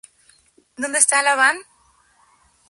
Un tercio de la población emigró a otras ciudades de la región.